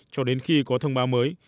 cho đến khi có thông báo mới